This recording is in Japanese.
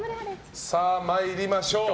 参りましょう。